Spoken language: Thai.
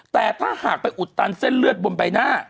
แต่ถ้าหากไปอุดตันเส้นเลือดบนใบหน้า